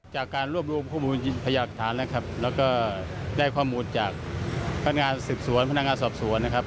จากการรวบรวมข้อมูลพยากฐานนะครับแล้วก็ได้ข้อมูลจากพนักงานสืบสวนพนักงานสอบสวนนะครับ